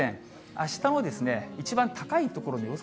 あしたの一番高い所の予想